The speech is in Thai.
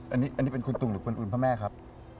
อันนี้เป็นคุณตุงหรือคนอื่นพ่อแม่ครับ